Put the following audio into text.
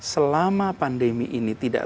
selama pandemi ini tidak